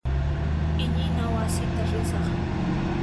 Iñina wasita risaq.